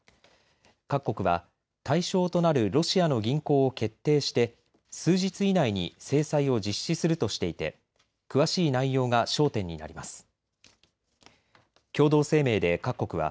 各国は対象となるロシアの銀行を決定して数日以内に制裁を実施するとしていて詳しい内容が焦点になります。